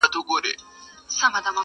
گوندي وي چي ټول کارونه دي پر لار سي،